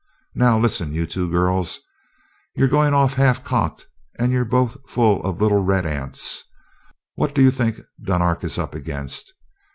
Now listen, you two girls you're going off half cocked and you're both full of little red ants. What do you think Dunark is up against?